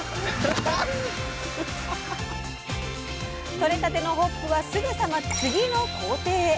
取れたてのホップはすぐさま次の工程へ。